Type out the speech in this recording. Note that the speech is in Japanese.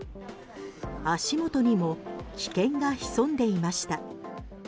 足元にも危険が潜んでいました。